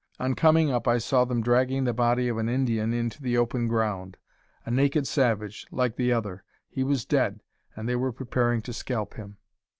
On coming up, I saw them dragging the body of an Indian into the open ground: a naked savage, like the other. He was dead, and they were preparing to scalp him.